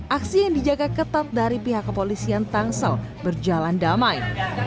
aksi yang dijaga ketat dari pihak kepolisian tangsel berjalan damai